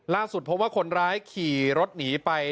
ล่าสุดพบว่าคนร้ายขี่รถหนีไป